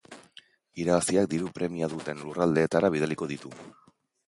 Irabaziak diru premia duten lurraldeetara bidaliko ditu.